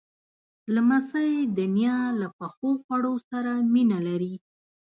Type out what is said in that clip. لمسی د نیا له پخو خواړو سره مینه لري.